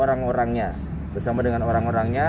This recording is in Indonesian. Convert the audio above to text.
orang orangnya bersama dengan orang orangnya